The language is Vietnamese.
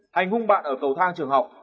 hành hung bạn ở cầu thang trường học